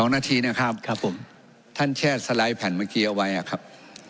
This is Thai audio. ๒นาทีนะครับครับผมท่านแช่สไลด์แผ่นเมื่อกี้เอาไว้อะครับ